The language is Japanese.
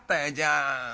あ